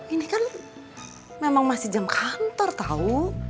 ini kan memang masih jam kantor tau